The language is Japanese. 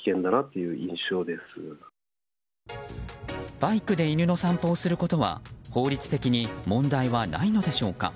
バイクで犬の散歩をすることは法律的に問題はないのでしょうか。